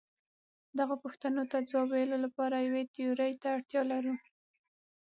دغو پوښتنو ته ځواب ویلو لپاره یوې تیورۍ ته اړتیا لرو.